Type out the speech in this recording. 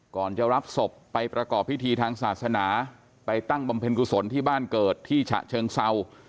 ก่อนจะรับศพไปประกอบพิธีทางศาสนาไปตั้งบำเพ็ญกุศลที่บ้านเกิดที่ฉะเชิงเศร้า